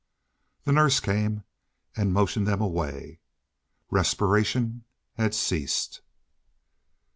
The nurse came and motioned them away. Respiration had ceased.